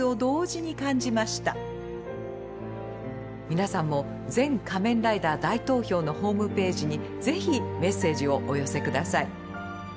皆さんも「全仮面ライダー大投票」のホームページに是非メッセージをお寄せ下さい。